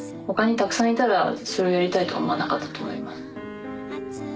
ほかにたくさんいたらそれをやりたいと思わなかったと思います。